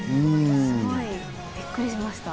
すごいびっくりしました。